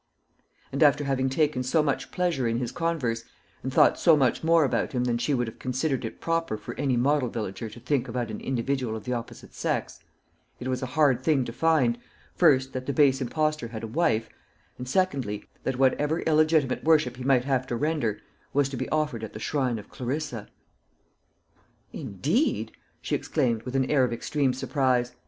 And after having taken so much pleasure in his converse, and thought so much more about him than she would have considered it proper for any model villager to think about an individual of the opposite sex, it was a hard thing to find first, that the base impostor had a wife; and secondly, that whatever illegitimate worship he might have to render, was to be offered at the shrine of Clarissa. "Indeed!" she exclaimed, with an air of extreme surprise.